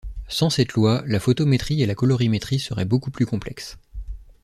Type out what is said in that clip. Sans cette loi, la photométrie et la colorimétrie seraient beaucoup plus complexes.